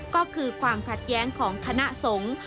ก็คือความขัดแย้งของคณะสงฆ์